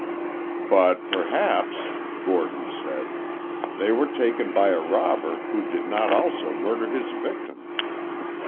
"But, perhaps," Gordon said, "they were taken by a robber who did not also murder his victim.